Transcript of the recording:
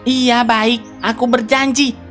iya baik aku berjanji